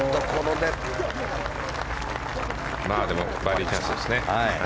でもバーディーチャンスですね。